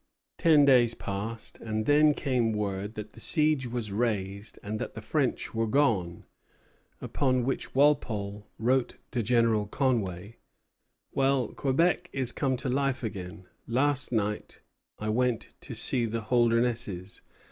Ten days passed, and then came word that the siege was raised and that the French were gone; upon which Walpole wrote to General Conway: "Well, Quebec is come to life again. Last night I went to see the Holdernesses.